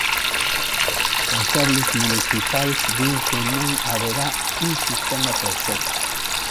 Os responsables municipais din que non haberá un sistema perfecto.